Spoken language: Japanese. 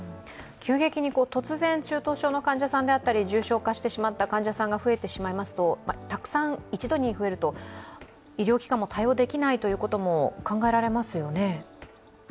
急激に突然中等症の患者さんであったり重症化してしまった患者さんが増えてしまいますと、たくさん一度に増えると医療機関も対応できないことも考えられますよね？